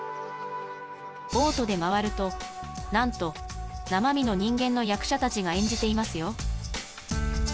ボートで回るとなんと生身の人間の役者たちが演じていますよ